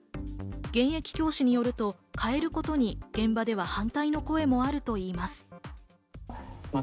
現役教師によると、変えることに現場では反対の声もあるといいま